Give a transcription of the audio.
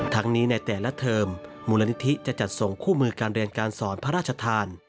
ทั้งนี้ในแต่ละเทอมมูลนิธิจะจัดส่งคู่มือการเรียนการสอนพระราชทาน